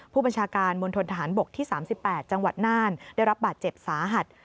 ผู้บัญชาการมณฑนทหารบกที่๓๘จังหวัดน่านได้รับบาดเจ็บสาหัส